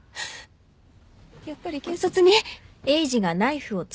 やっぱり警察に。